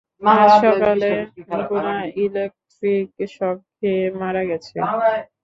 আজ সকালে, গুনা ইলেকট্রিক শক খেয়ে মারা গেছে।